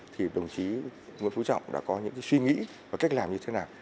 thì đồng chí nguyễn phú trọng đã có những suy nghĩ và cách làm như thế nào